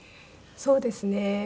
そうですね。